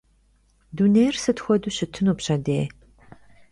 Dunêyr sıt xuedeu şıtınu pşedêy?